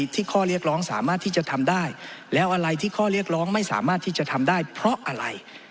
ที่จะทำได้แล้วอะไรที่ข้อเรียกร้องไม่สามารถที่จะทำได้เพราะอะไร